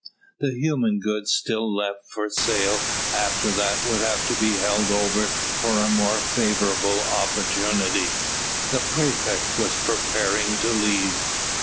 The human goods still left for sale after that would have to be held over for a more favourable opportunity. The praefect was preparing to leave.